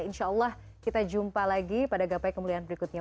insya allah kita jumpa lagi pada gapai kemuliaan berikutnya